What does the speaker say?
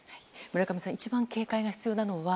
村上さん一番警戒が必要なのは？